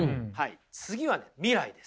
次はね未来です。